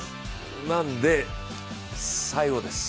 なんで、最後です。